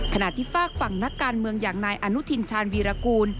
ที่ฝากฝั่งนักการเมืองอย่างนายอนุทินชาญวีรกูล